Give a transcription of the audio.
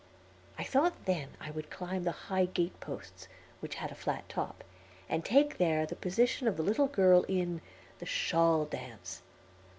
I thought then I would climb the high gateposts, which had a flat top, and take there the position of the little girl in "The Shawl Dance."